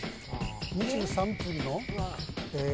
２３分のえ。